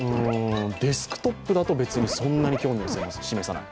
デスクトップだと別にそんなに興味を示さない。